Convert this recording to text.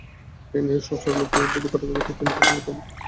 এ নিয়ে সংসারের লোক কেউ যদি কটাক্ষ করত তিনি তখনই তার প্রতিবাদ করতেন।